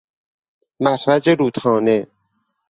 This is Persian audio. مخرج رودخانه